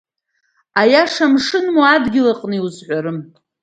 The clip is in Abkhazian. Аиаша амшын моу, адгьыл аҟны иузҳәарым!